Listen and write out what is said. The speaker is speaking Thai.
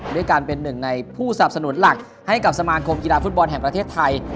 ด้วยการเป็นหนึ่งในผู้สนับสนุนหลักให้กับสมาคมกีฬาฟุตบอลแห่งประเทศไทย